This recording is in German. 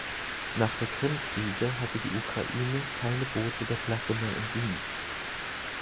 Nach der Krimkrise hatte die Ukraine keine Boote der Klasse mehr im Dienst.